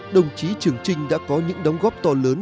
đồng chí trường trinh đã có những đóng góp to lớn